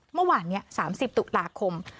เมื่อวานนี้๓๐ตุลาคม